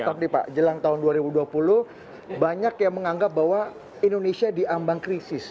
tapi pak jelang tahun dua ribu dua puluh banyak yang menganggap bahwa indonesia diambang krisis